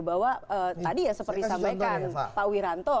bahwa tadi ya seperti disampaikan pak wiranto